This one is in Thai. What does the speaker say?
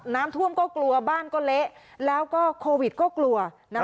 น้ำท่วมก็กลัวบ้านก็เละแล้วก็โควิดก็กลัว